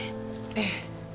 ええ。